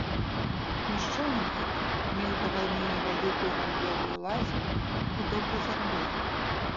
Мешчанін гэты меў да вайны невялікую гандлёвую лазню і добра зарабляў.